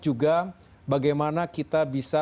juga bagaimana kita bisa